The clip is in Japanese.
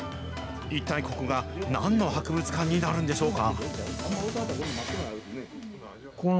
一体ここがなんの博物館になるんでしょうか。